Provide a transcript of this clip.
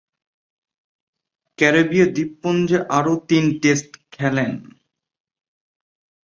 ক্যারিবীয় দ্বীপপুঞ্জে আরও তিন টেস্ট খেলেন।